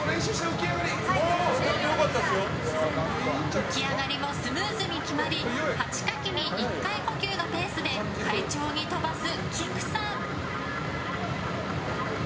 浮き上がりもスムーズに終わり８かきに１回呼吸のペースで快調に飛ばす、きくさん。